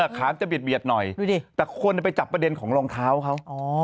ขานจะเบียดหน่อยดูดิแต่คนไปจับประเด็นของรองเท้าเขา